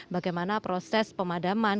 bagaimana proses pemadaman